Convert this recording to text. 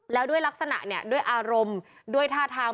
แล้วด้วยลักษณะด้วยอารมณ์